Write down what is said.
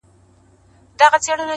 محلونه په جرگو کي را ايسار دي!